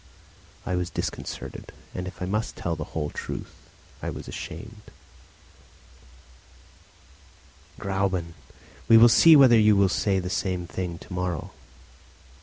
I was disconcerted, and, if I must tell the whole truth, I was ashamed. "Gräuben, we will see whether you will say the same thing to morrow."